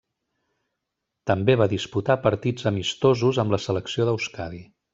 També va disputar partits amistosos amb la selecció d'Euskadi.